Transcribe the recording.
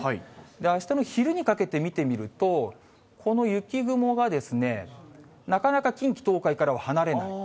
あしたの昼にかけて見てみると、この雪雲がですね、なかなか近畿、東海からは離れない。